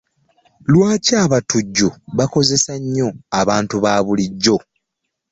Lwaki abatujju bakozesa nnyo abantu babulijjo?